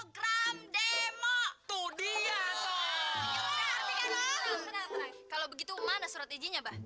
kalau begitu mana strateginya mbah